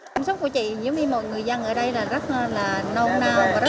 cảm xúc của chị giống như mọi người dân ở đây là rất là nâu nào và rất là vui